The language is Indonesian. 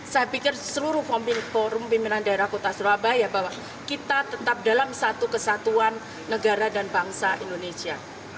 saya pikir seluruh forum pimpinan daerah kota surabaya bahwa kita tetap dalam satu kesatuan negara dan bangsa indonesia